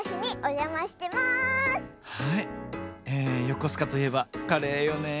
よこすかといえばカレーよね。